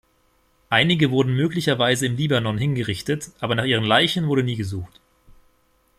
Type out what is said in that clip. Einige wurden möglicherweise im Libanon hingerichtet, aber nach ihren Leichen wurde nie gesucht.